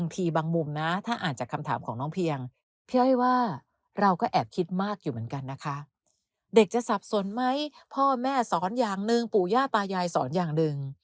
คุณปู่คุณย่าคุณตาคุณยายสอนอย่างหนึ่ง